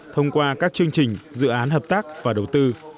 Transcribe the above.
thông qua các chương trình dự án hợp tác và đầu tư